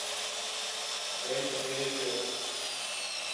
بيلٽ پيري پيو.